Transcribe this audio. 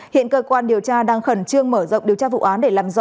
hiện cơ quan điều tra đang khẩn trương mở rộng điều tra vụ án để làm rõ